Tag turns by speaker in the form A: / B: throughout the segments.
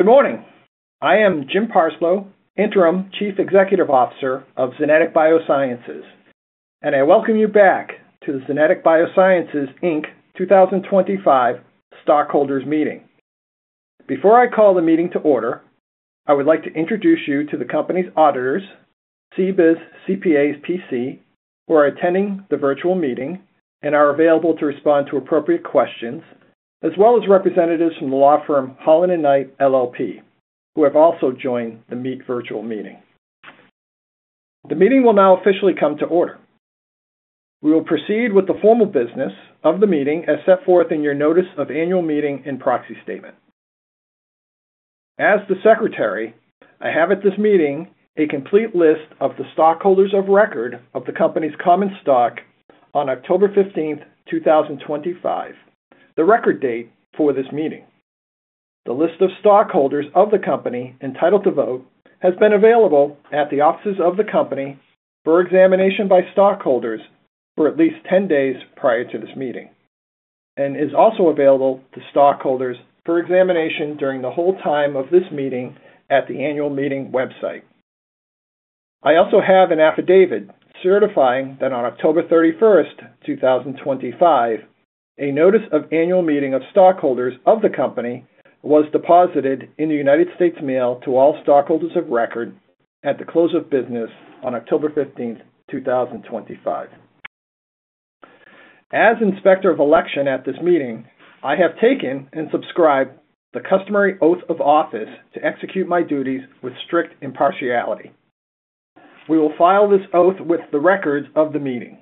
A: Good morning. I am Jim Parslow, Interim Chief Executive Officer of Xenetic Biosciences, and I welcome you back to the Xenetic Biosciences, Inc. 2025 stockholders' meeting. Before I call the meeting to order, I would like to introduce you to the company's auditors, CBIZ CPAs PC, who are attending the virtual meeting and are available to respond to appropriate questions, as well as representatives from the law firm, Holland & Knight LLP, who have also joined the virtual meeting. The meeting will now officially come to order. We will proceed with the formal business of the meeting as set forth in your Notice of Annual Meeting and Proxy Statement. As the secretary, I have at this meeting a complete list of the stockholders of record of the company's common stock on October 15, 2025, the record date for this meeting. The list of stockholders of the company entitled to vote has been available at the offices of the company for examination by stockholders for at least 10 days prior to this meeting and is also available to stockholders for examination during the whole time of this meeting at the annual meeting website. I also have an affidavit certifying that on October 31, 2025, a Notice of Annual Meeting of stockholders of the company was deposited in the United States mail to all stockholders of record at the close of business on October 15, 2025. As inspector of election at this meeting, I have taken and subscribed the customary oath of office to execute my duties with strict impartiality. We will file this oath with the records of the meeting.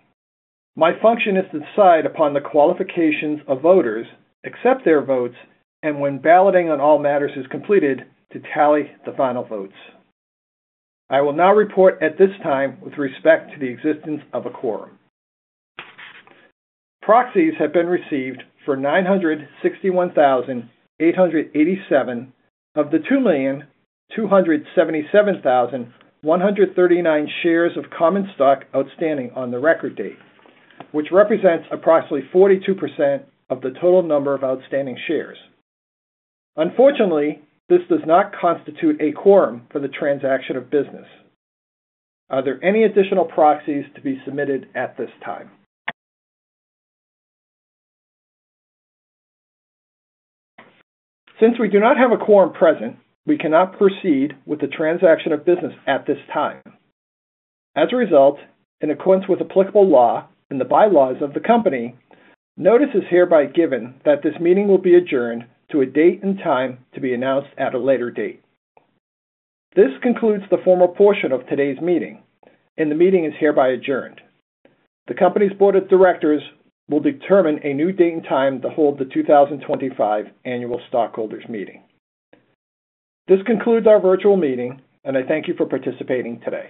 A: My function is to decide upon the qualifications of voters, accept their votes, and when balloting on all matters is completed, to tally the final votes. I will now report at this time with respect to the existence of a quorum. Proxies have been received for 961,887 of the 2,277,139 shares of common stock outstanding on the record date, which represents approximately 42% of the total number of outstanding shares. Unfortunately, this does not constitute a quorum for the transaction of business. Are there any additional proxies to be submitted at this time? Since we do not have a quorum present, we cannot proceed with the transaction of business at this time. As a result, in accordance with applicable law and the bylaws of the company, notice is hereby given that this meeting will be adjourned to a date and time to be announced at a later date. This concludes the formal portion of today's meeting, and the meeting is hereby adjourned. The company's board of directors will determine a new date and time to hold the 2025 annual stockholders' meeting. This concludes our virtual meeting, and I thank you for participating today.